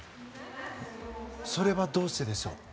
それはどうしてでしょう？